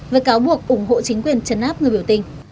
với cáo buộc ủng hộ chính quyền chấn áp người biểu tình